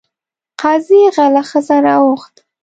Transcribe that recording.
قاضي غله ښځه راوغوښته.